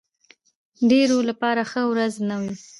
ډېرو لپاره ښه ورځ نه وي.